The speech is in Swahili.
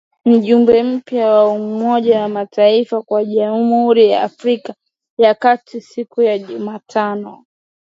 Mjumbe mpya wa Umoja wa mataifa kwa Jamhuri ya Afrika ya kati siku ya Jumatano